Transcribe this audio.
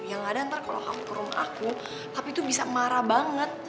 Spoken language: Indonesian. yang ada ntar kalo kamu ke rumah aku papi tuh bisa marah banget